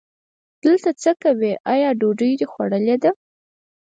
دلته څه کوې، آیا ډوډۍ دې خوړلې ده؟